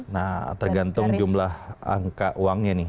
nah tergantung jumlah angka uangnya nih